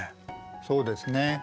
そうですね。